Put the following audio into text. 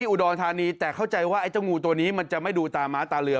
อุดรธานีแต่เข้าใจว่าไอ้เจ้างูตัวนี้มันจะไม่ดูตาม้าตาเรือ